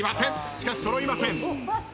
しかし揃いません。